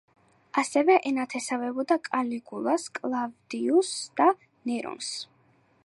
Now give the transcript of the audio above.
ასევე ენათესავებოდა კალიგულას, კლავდიუსს და ნერონს.